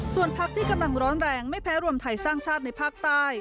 ส่วนพักที่กำลังร้อนแรงไม่แพ้รวมไทยสร้างชาติในภาคใต้